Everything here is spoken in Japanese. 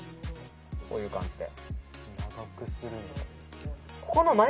こういう感じで。